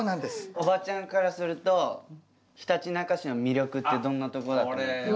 おばちゃんからするとひたちなか市の魅力ってどんなとこだと思いますか？